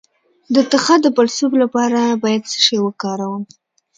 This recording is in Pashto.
د تخه د پړسوب لپاره باید څه شی وکاروم؟